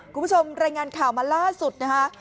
คุณผู้ชมรายงานข่าวมาล่าสุดนะคะ